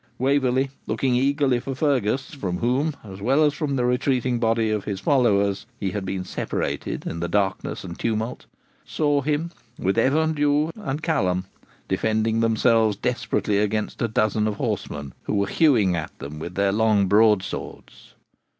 Waverley, looking eagerly for Fergus, from whom, as well as from the retreating body of his followers, he had been separated in the darkness and tumult, saw him, with Evan Dhu and Callum, defending themselves desperately against a dozen of horsemen, who were hewing at them with their long broadswords.